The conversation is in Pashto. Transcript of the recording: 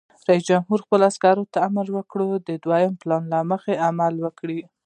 رئیس جمهور خپلو عسکرو ته امر وکړ؛ د دوهم پلان له مخې عمل وکړئ!